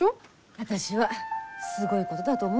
私はすごいことだと思うけどね。